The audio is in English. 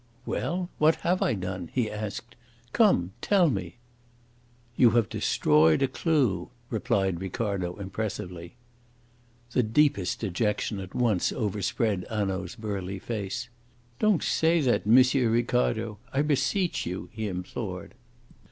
"Well, what have I done?" he asked. "Come! tell me!" "You have destroyed a clue," replied Ricardo impressively. The deepest dejection at once overspread Hanaud's burly face. "Don't say that, M. Ricardo, I beseech you!" he implored.